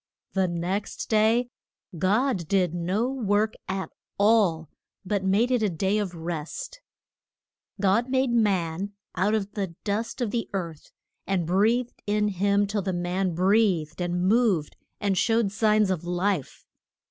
The next day God did no work at all, but made it a day of rest. God made man out of the dust of the earth, and breathed in him till the man breathed and moved, and showed signs of life.